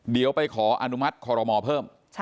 เดี๋ยวไปขออนุมัติคอรมอเพิ่ม